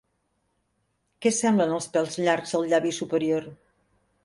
Què semblen els pèls llargs al llavi superior?